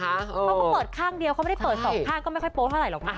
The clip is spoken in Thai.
เขาก็เปิดข้างเดียวเขาไม่ได้เปิดสองข้างก็ไม่ค่อยโพสต์เท่าไหรหรอกนะ